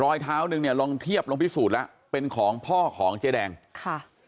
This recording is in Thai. รอยเท้าหนึ่งเนี่ยลองเทียบลองพิสูจน์แล้วเป็นของพ่อของเจ๊แดงค่ะ